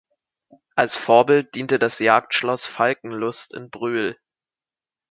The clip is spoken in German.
Als Vorbild diente das Jagdschloss Falkenlust in Brühl.